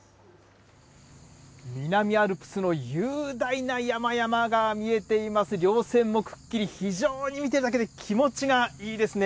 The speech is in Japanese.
南アルプスの雄大な山々が見えています、りょう線もくっきり、非常に見てるだけで気持ちがいいですね。